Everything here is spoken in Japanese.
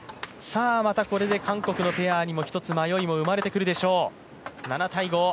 またこれで韓国のペアにも一つ迷いも生まれてくるでしょう。